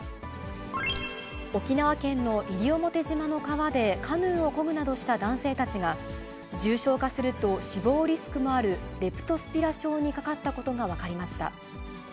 沖縄県の西表島の川でカヌーをこぐなどした男性たちが、重症化すると死亡リスクもあるレプトスピラ症にかかったことが分かりました。